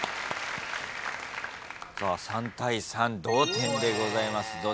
３対３同点でございます。